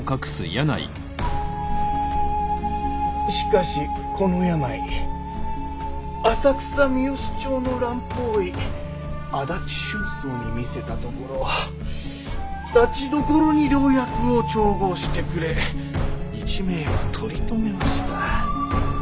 しかしこの病浅草三好町の蘭方医足立筍藪に診せたところたちどころに良薬を調合してくれ一命を取り留めました。